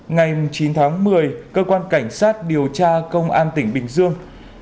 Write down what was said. ngày chín tháng một mươi cơ quan cảnh sát điều tra công an tỉnh bình dương